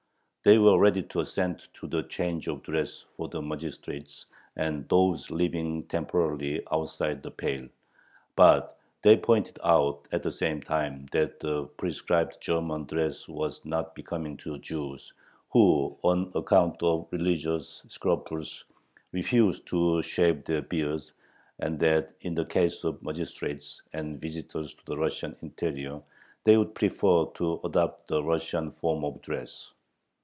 They were ready to assent to the change of dress for the magistrates and those living temporarily outside the Pale. But they pointed out at the same time that the prescribed German dress was not becoming to Jews, who on account of religious scruples refused to shave their beards, and that in the case of magistrates and visitors to the Russian interior they would prefer to adopt the Russian form of dress.